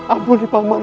ampuni paman raden